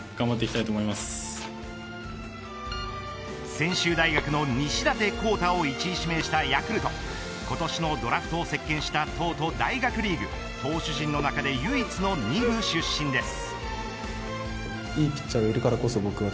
専修大学の西舘昂汰を１位指名したヤクルト今年のドラフトを席巻した東都大学リーグ投手陣の中で唯一の２部出身です。